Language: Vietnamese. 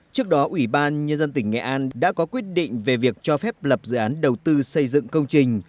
trước đó ủy ban nhân dân tỉnh nghệ an đã có quyết định về việc cho phép lập dự án đầu tư xây dựng công trình